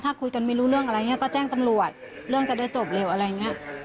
ถ้าคุยกันไม่รู้เรื่องอะไรอย่างนี้ก็แจ้งตำรวจเรื่องจะได้จบเร็วอะไรอย่างนี้